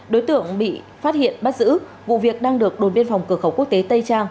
đối tượng bị phát hiện bắt giữ vụ việc đang được đồn biên phòng cửa khẩu quốc tế tây trang